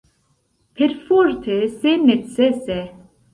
Perforte se necese.